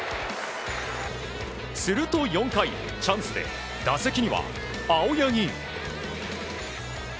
すると４回、チャンスで打席には青柳。